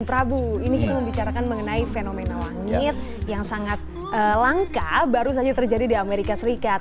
prabu ini kita membicarakan mengenai fenomena langit yang sangat langka baru saja terjadi di amerika serikat